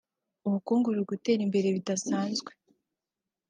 ubukungu buri gutera imbere bidasanzwe